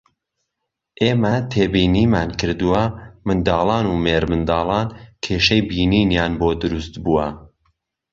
ئێمە تێبینیمان کردووە منداڵان و مێردمنداڵان کێشەی بینینیان بۆ دروستبووە